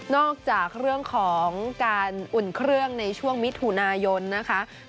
จากเรื่องของการอุ่นเครื่องในช่วงมิถุนายนนะคะ